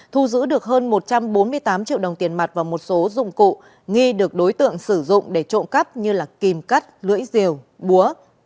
thu giữ được hơn một trăm bốn mươi tám triệu đồng tiền mặt và một số dụng cụ nghi được đối tượng sử dụng để trộm cắp như kim cắt lưỡi rìu búa